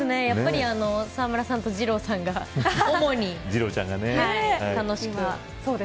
沢村さんと二朗さんが主に楽しく。